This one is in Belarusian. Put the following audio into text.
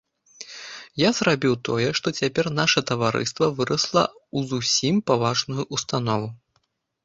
Я зрабіў тое, што цяпер наша таварыства вырасла ў зусім паважную ўстанову.